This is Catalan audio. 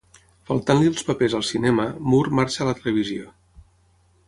Faltant-li els papers al cinema, Moore marxa a la televisió.